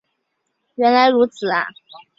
原来如此啊